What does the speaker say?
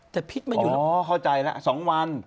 แต่พิษอ๋อเข้าใจแล้ว๒วัน